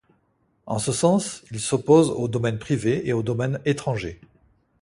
En ce sens il s'oppose au domaine privé et au domaine étranger.